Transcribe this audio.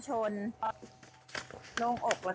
ก็เป็นสถานที่ตั้งมาเพลงกุศลศพให้กับน้องหยอดนะคะ